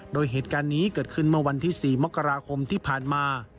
โดยเหตุการณ์นี้เกิดขึ้นเมื่อวันที่๔มกราคมที่ผ่านมา